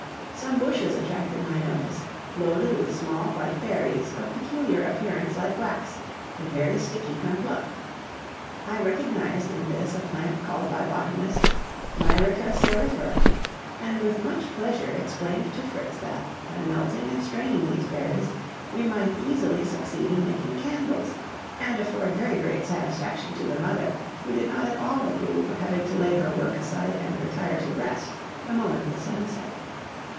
Some bushes attracted my notice, loaded with small white berries, of peculiar appearance like wax, and very sticky when plucked. I recognized in this a plant called by botanists Myrica cerifera, and with much pleasure explained to Fritz that, by melting and straining these berries, we might easily succeed in making candles, and afford very great satisfaction to the mother, who did not at all approve of having to lay her work aside and retire to rest the moment the sun set.